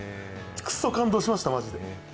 くそ感動しました、マジで。